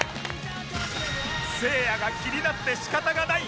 せいやが気になって仕方がない